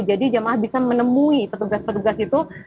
jadi jamaah bisa menemui petugas petugas itu